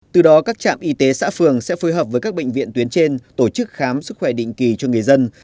từ đó các trạm y tế xã phường sẽ phối hợp với các bệnh viện tuyến trên tổ chức khám sức khỏe định kỳ cho người dân